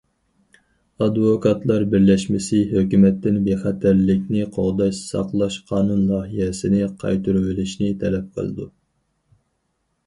ئادۋوكاتلار بىرلەشمىسى ھۆكۈمەتتىن بىخەتەرلىكنى قوغداش ساقلاش قانۇن لايىھەسىنى قايتۇرۇۋېلىشنى تەلەپ قىلىدۇ.